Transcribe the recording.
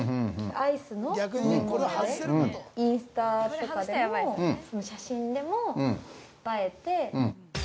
アイスの飲み物で、インスタとかでも写真でも映えて。